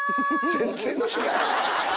全然違う！